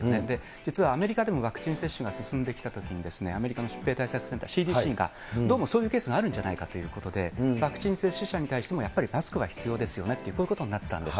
実はアメリカでもワクチン接種が進んできたときに、アメリカの疾病対策センター・ＣＤＣがどうもそういうケースがあるんじゃないかということで、ワクチン接種者に対しても、やっぱりマスクは必要ですよねと、こういうことになったんです。